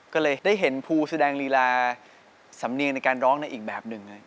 ก็เลยได้เห็นภูแสดงลีลาสำเนียงในการร้องในอีกแบบหนึ่ง